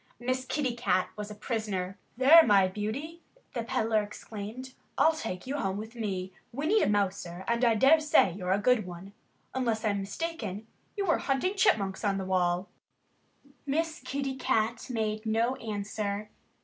Miss Kitty Cat was a prisoner. "There, my beauty!" the peddler exclaimed. "I'll take you home with me. We need a mouser. And I dare say you're a good one. Unless I'm mistaken, you were hunting chipmunks on the wall." Miss Kitty Cat made no answer.